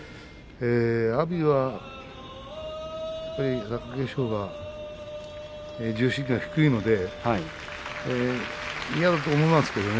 阿炎は、貴景勝が重心が低いので嫌だと思いますけどね。